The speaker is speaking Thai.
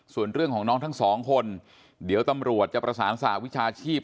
ส่วนเรื่องของน้องทั้งสองคนเดี๋ยวตำรวจจะประสานสหวิชาชีพ